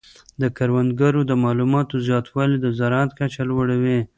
د کروندګرو د معلوماتو زیاتوالی د زراعت کچه لوړه وي.